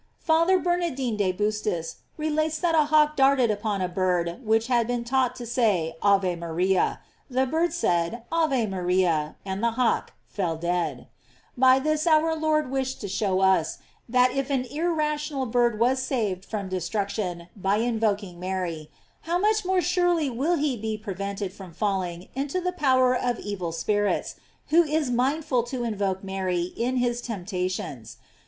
* Father Bernardine de Bustis relates that a hawk darted upon a bird which had been taught to say Ave Maria; the bird said Ave Maria, and the hawk fell dead. By this our Lord wished to show us, that if an irrational bird was saved from destruction by invoking Mary, how much more surely will he be prevented from falling into the power of evil spirits, who is mindful to invoke Mary in his temptations.